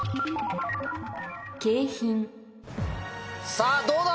さぁどうだ？